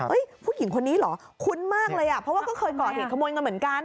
เอ้ยผู้หญิงคนนี้เหรอคุ้นมากเลยอ่ะเพราะว่าก็เคยเกาะเห็นขมนกันเหมือนกัน